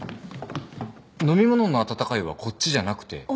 飲み物の「あたたかい」はこっちじゃなくて。